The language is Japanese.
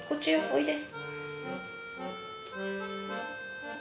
おいで。